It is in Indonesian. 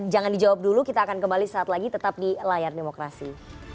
jangan dijawab dulu kita akan kembali saat lagi tetap di layar demokrasi